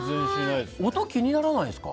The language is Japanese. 音、気にならないですか？